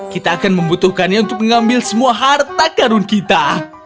kita akan membutuhkannya untuk mengambil semua harta karun kita